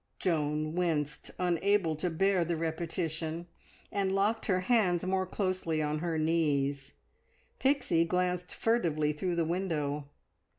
Joan winced, unable to bear the repetition, and locked her hands more closely on her knee. Pixie glanced furtively through the window.